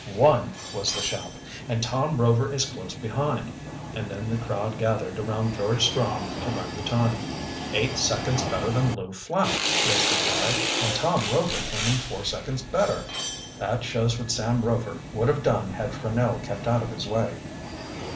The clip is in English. "Won!" was the shout. "And Tom Rover is close behind." And then the crowd gathered around George Strong to learn the time. "Eight seconds better than Lew Flapp!" was the cry. "And Tom Rover came in four seconds better!" "That shows what Sam Rover would have done had Franell kept out of his way."